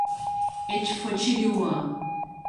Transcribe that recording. Ekifo kiri wa?